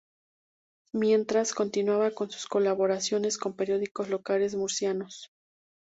Mientras, continuaba con sus colaboraciones con periódicos locales murcianos.